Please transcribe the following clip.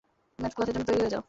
Math ক্লাসের জন্য তৈরি হয়ে যাও।